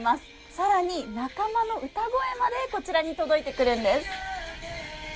更に仲間の歌声までこちらに届いてくるんです。